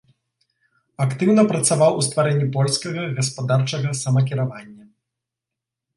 Актыўна працаваў у стварэнні польскага гаспадарчага самакіравання.